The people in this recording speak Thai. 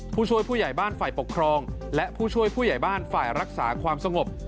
ผู้ช่วยผู้ใหญ่บ้านฝ่ายปกครองและผู้ช่วยผู้ใหญ่บ้านฝ่ายรักษาความสงบ